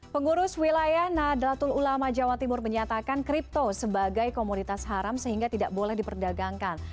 pengurus wilayah nadatul ulama jawa timur menyatakan kripto sebagai komoditas haram sehingga tidak boleh diperdagangkan